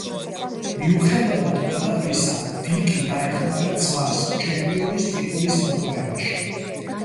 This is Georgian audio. მიუხედავად ყველაფრისა, დიკი დაეხმარა ძმას ჩემპიონის ტიტულის მოპოვებაში.